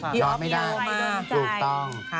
นอนไม่ได้นอนไม่ได้อยู่ต้อง